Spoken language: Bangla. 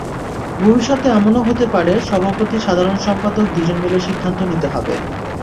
ভবিষ্যতে এমনও হতে পারে, সভাপতি-সাধারণ সম্পাদক দুজন মিলে সিদ্ধান্ত নিতে হবে।